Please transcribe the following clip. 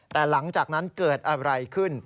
แต่หลังจากนั้นเกิดอะไรขึ้น